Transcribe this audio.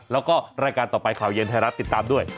แล้วก็รายการต่อไปข่าวเย็นไทยรัฐติดตามด้วย